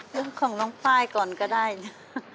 เรื่องของน้องป้ายก่อนก็ได้นะ